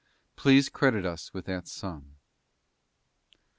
Please credit us with that sum."